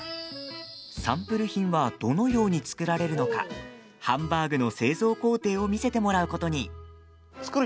サンプル品はどのように作られるのかハンバーグの製造工程を見せてもらうことに。